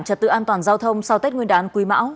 trật tự an toàn giao thông sau tết nguyên đán quý mão